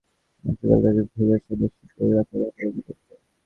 বর্ষাকালের ভেজা ছাদে সে দৌড়াত, লাফালাফি করত।